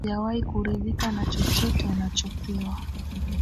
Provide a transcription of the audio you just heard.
Hujawahi kuridhika na chochote unachopewa